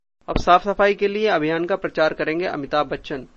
अब साफ-सफाई के लिए अभियान का प्रचार करेंगे अमिताभ बच्चन